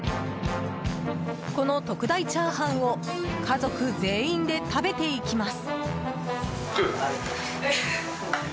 この特大チャーハンを家族全員で食べていきます。